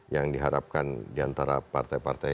yang diharapkan diantara partai partai